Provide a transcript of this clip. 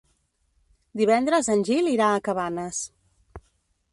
Divendres en Gil irà a Cabanes.